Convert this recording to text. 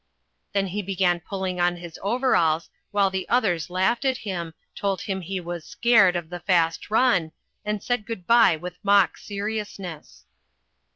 Then he began pulling on his overalls, while the others laughed at him, told him he was "scared" of the fast run, and said good by with mock seriousness.